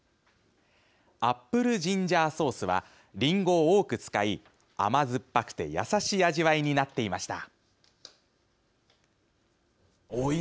アップルジンジャーソースはりんごを多く使い、甘酸っぱくてやさしい味わいになっていました。